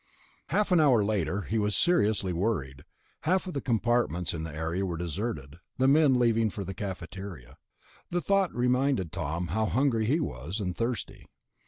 Half an hour later he was seriously worried. Half the compartments in the area were deserted, the men leaving for the cafeteria. The thought reminded Tom how hungry he was, and thirsty.